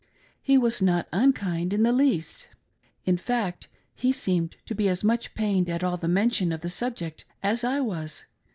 He was not unkind in the least. In fact he seemed to be as ttiudh pained at all mention of the subject as I was.